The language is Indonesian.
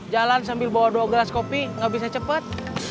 jalan sambil bawa dua gelas kopi nggak bisa cepet